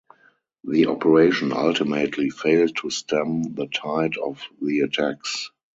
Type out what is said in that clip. The operation ultimately failed to stem the tide of the attacks.